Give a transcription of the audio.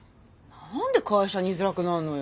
何で会社に居づらくなるのよ？